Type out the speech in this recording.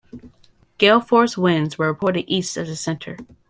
Gale-force winds were reported east of the center.